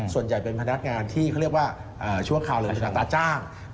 ส่วนใหญ่เป็นพนักงานที่เขาเรียกว่าชั่วคราวเลยอัตราจ้าง